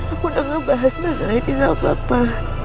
aku udah ngebahas masalah ini sama papa